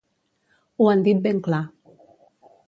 Ho han dit ben clar.